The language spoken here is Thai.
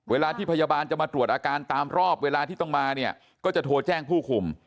เวลาที่พยาบาลจะมาตรวจอาการตามรอบเวลาที่ต้องมาเนี่ยก็จะโทรแจ้งผู้คุม